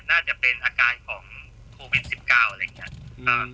น่าจะเป็นอาการของโทวินสิบเก้าอะไรอย่างเงี้ย